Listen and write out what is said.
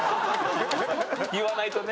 言わないとね。